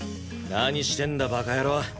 何してんだバカ野郎。